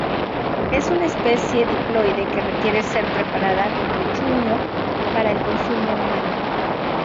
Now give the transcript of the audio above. Es una especie diploide que requiere ser preparada como chuño para el consumo humano.